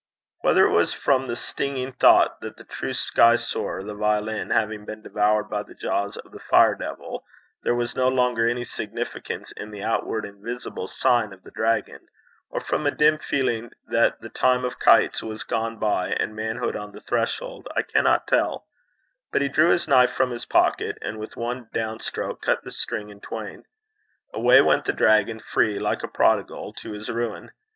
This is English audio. Whether it was from the stinging thought that the true sky soarer, the violin, having been devoured by the jaws of the fire devil, there was no longer any significance in the outward and visible sign of the dragon, or from a dim feeling that the time of kites was gone by and manhood on the threshold, I cannot tell; but he drew his knife from his pocket, and with one down stroke cut the string in twain. Away went the dragon, free, like a prodigal, to his ruin.